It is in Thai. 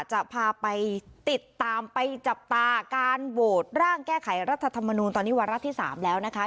จะพาไปติดตามไปจับตาการโหวตร่างแก้ไขรัฐธรรมนูลตอนนี้วาระที่๓แล้วนะคะ